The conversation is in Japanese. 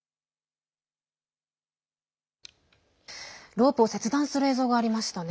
ロープを切断する映像がありましたね。